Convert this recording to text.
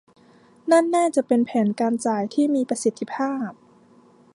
นั่นน่าจะเป็นแผนการจ่ายที่มีประสิทธิภาพ